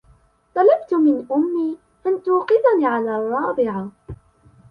طلبت من أمي أن توقظني على الرابعة.